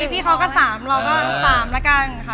พี่เขาก็๓เราก็๓แล้วกันค่ะ